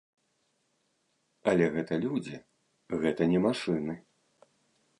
Але гэта людзі, гэта не машыны.